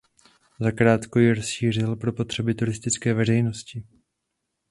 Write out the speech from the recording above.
Zakrátko ji rozšířil pro potřeby turistické veřejnosti.